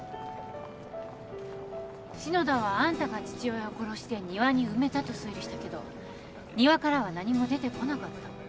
篠田はあんたが父親を殺して庭に埋めたと推理したけど庭からは何も出てこなかった。